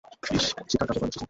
ঈস শিকার কাজে পারদর্শী ছিলেন।